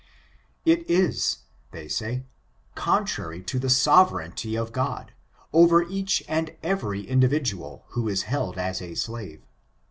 It is (they say) contrary to the sovereignty of God, over each and every individual, who is held as a slave.